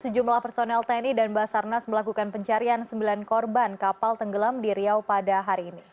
sejumlah personel tni dan basarnas melakukan pencarian sembilan korban kapal tenggelam di riau pada hari ini